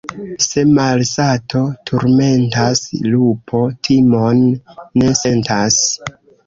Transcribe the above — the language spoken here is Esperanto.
Se malsato turmentas, lupo timon ne sentas.